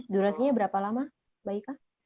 durasinya berapa lama mbak ika